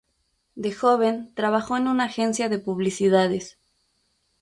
De joven trabajó en una agencia de publicidades.